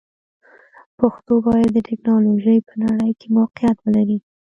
پښتو باید د ټکنالوژۍ په نړۍ کې موقعیت ولري.